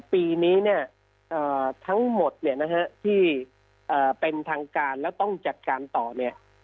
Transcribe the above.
ปีนี้เนี่ยทั้งหมดเนี่ยนะฮะที่เป็นทางการแล้วต้องจัดการต่อเนี่ย